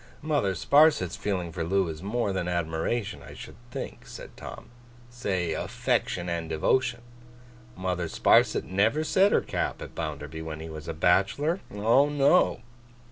'Mother Sparsit's feeling for Loo is more than admiration, I should think,' said Tom. 'Say affection and devotion. Mother Sparsit never set her cap at Bounderby when he was a bachelor. Oh no!